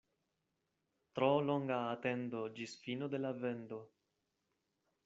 Tro longa atendo ĝis fino de la vendo.